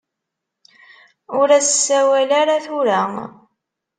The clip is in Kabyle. Ur as-ssawal ara tura.